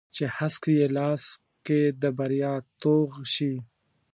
چې هسک یې لاس کې د بریا توغ شي